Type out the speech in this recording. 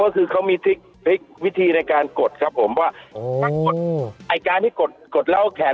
ก็คือเขามีพลิกวิธีในการกดครับผมว่าถ้ากดไอ้การที่กดกดแล้วเอาแขน